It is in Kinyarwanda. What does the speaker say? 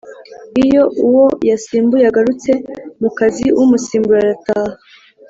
iyo uwo yasimbuye agarutse mu kaziumusimbura arataha